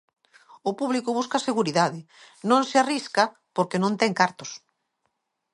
O público busca seguridade, non se arrisca, porque non ten cartos.